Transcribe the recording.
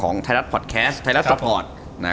ไทยรัฐพอดแคสต์ไทยรัฐสปอร์ต